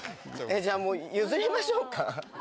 じゃあ、もう譲りましょうか？